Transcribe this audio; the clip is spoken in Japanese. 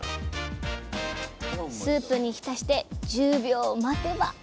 スープに浸して１０秒待てば！